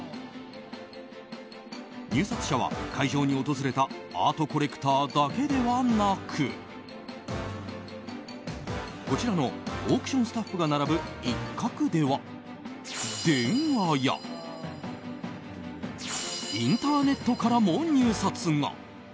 入札者は会場に訪れたアートコレクターだけではなくこちらのオークションスタッフが並ぶ一角では電話や、インターネットからも入札が。